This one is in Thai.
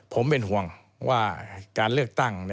ผมเป็นห่วงว่าการเลือกตั้ง